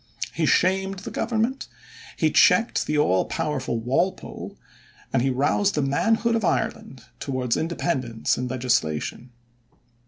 He shamed the government, he checked the all powerful Walpole, and he roused the manhood of Ireland towards independence in legislation.